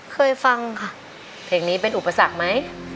เคยฟังค่ะเพลงนี้เป็นอุปสรรคไหม